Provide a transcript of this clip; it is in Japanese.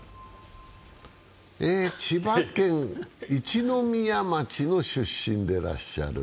千葉県一宮町の出身でいらっしゃる。